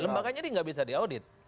lembaganya ini nggak bisa diaudit